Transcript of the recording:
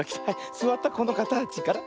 すわったこのかたちから。